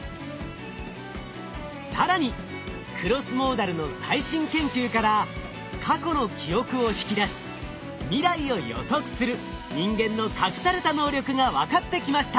更にクロスモーダルの最新研究から過去の記憶を引き出し未来を予測する人間の隠された能力が分かってきました。